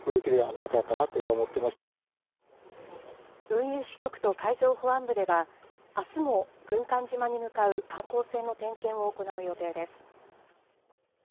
運輸支局と海上保安部ではあすも軍艦島に向かう観光船の点検を行う予定です。